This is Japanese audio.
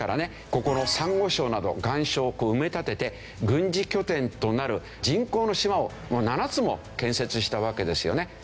ここのサンゴ礁など岩礁埋め立てて軍事拠点となる人工の島をもう７つも建設したわけですよね。